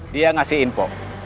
dia ngasih info